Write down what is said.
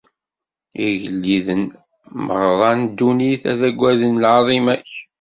Igelliden merra n ddunit ad aggaden lɛaḍima-k.